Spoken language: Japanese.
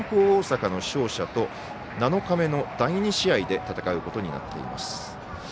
大阪の勝者と７日目の第２試合で戦うことになっています。